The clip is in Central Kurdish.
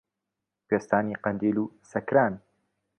کوێستانی قەندیل و سەکران